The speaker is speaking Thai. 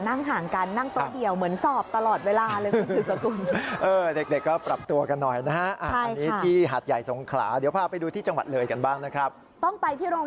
นั่งห่างกันนั่งโต๊ะเดียวเหมือนสอบตลอดเวลาเลยคุณสืบสกุล